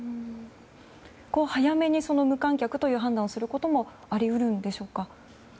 早めに無観客という判断をすることもあり得るんでしょうか？